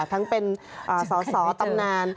ทั้งเป็นสอสอตำนาน